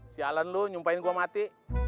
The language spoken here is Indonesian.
sialan lu nyumpahin gue mati